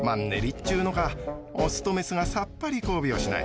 っちゅうのかオスとメスがさっぱり交尾をしない。